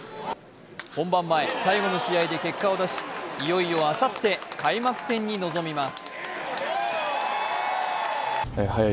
本番前、最後の試合で結果を出しいよいよあさって開幕戦に臨みます。